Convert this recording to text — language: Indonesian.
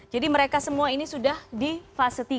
jadi mereka semua ini sudah di fase tiga